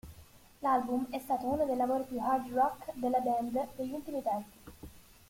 L'album, è stato uno dei lavori più hard rock della band degli ultimi tempi.